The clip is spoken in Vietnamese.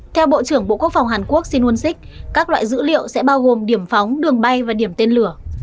theo bộ trưởng bộ quốc phòng hàn quốc xin uân sích các loại dữ liệu sẽ bao gồm điểm phóng đường bay và điểm tên lửa